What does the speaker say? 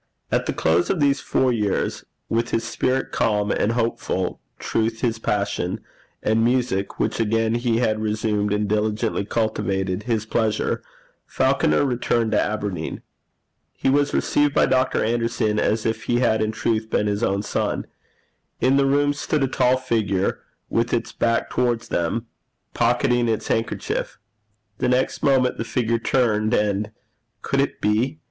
At the close of these four years, with his spirit calm and hopeful, truth his passion, and music, which again he had resumed and diligently cultivated, his pleasure, Falconer returned to Aberdeen. He was received by Dr. Anderson as if he had in truth been his own son. In the room stood a tall figure, with its back towards them, pocketing its handkerchief. The next moment the figure turned, and could it be?